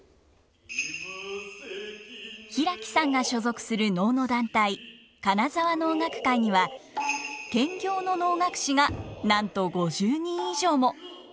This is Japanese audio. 平木さんが所属する能の団体金沢能楽会には兼業の能楽師がなんと５０人以上も。